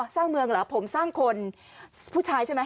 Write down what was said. สร้างเมืองเหรอผมสร้างคนผู้ชายใช่ไหม